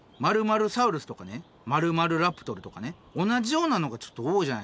○サウルスとかね○○ラプトルとかね同じようなのがちょっと多いじゃないですか。